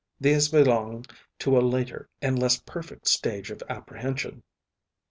These belong to a later and less perfect stage of apprehension.